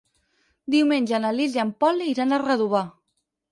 Diumenge na Lis i en Pol iran a Redovà.